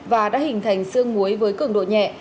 và đã hình thành sương muối với cường độ nhẹ